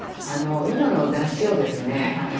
今の雑誌をですね